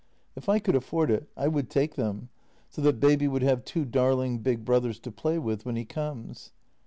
If I could afford it I would take them, so that baby would have two darling big brothers to play with when he comes.